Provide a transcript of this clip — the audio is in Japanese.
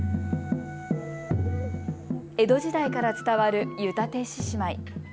江戸時代から伝わる湯立獅子舞。